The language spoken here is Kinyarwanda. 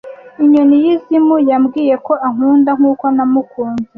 Inyoni yizimu yambwiye ko ankunda nkuko namukunze